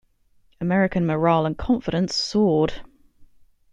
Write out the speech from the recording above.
American morale and confidence soared.